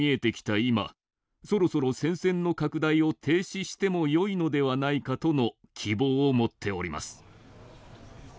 今そろそろ戦線の拡大を停止してもよいのではないかとの希望を持っております。